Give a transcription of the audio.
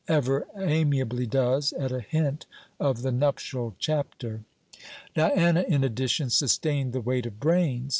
ever amiably does, at a hint of the Nuptial Chapter. Diana in addition sustained the weight of brains.